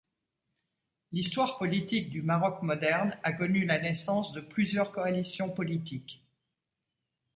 L'histoire politique du Maroc moderne a connu la naissance de plusieurs coalitions politiques.